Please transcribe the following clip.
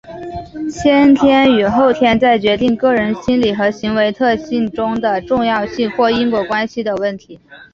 先天与后天在决定个人心理和行为特性中的重要性或因果关系的问题。